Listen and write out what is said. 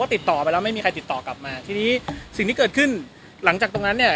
ติดต่อไปแล้วไม่มีใครติดต่อกลับมาทีนี้สิ่งที่เกิดขึ้นหลังจากตรงนั้นเนี่ย